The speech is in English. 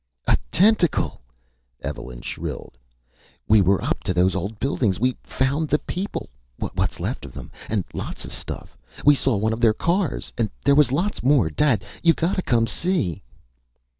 "A tentacle!" Evelyn shrilled. "We were up to those old buildings! We found the people! What's left of them! And lots of stuff. We saw one of their cars! And there was lots more. Dad you gotta come and see!..."